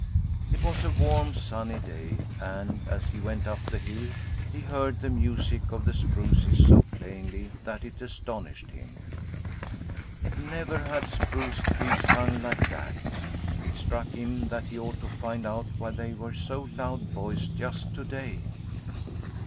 It was a warm sunny day and, as he went up the hill, he heard the music of the spruces so plainly that it astonished him. Never had spruce trees sung like that! It struck him that he ought to find out why they were so loud voiced just to day.